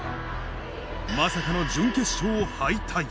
まさかの準決勝敗退。